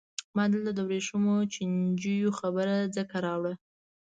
ما دلته د ورېښمو چینجیو خبره ځکه راوړه.